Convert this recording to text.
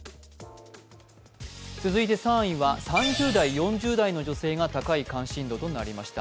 続いて３位は３０代、４０代の女性が高い関心度となりました。